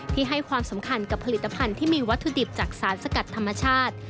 ให้ความสำคัญกับผลิตภัณฑ์ที่มีวัตถุดิบจากสารสกัดธรรมชาติ